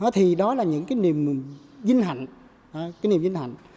thì đó là những cái niềm vinh hạnh